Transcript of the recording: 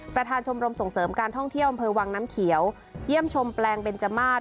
ประธานชมรมส่งเสริมการท่องเที่ยวอำเภอวังน้ำเขียวเยี่ยมชมแปลงเบนจมาส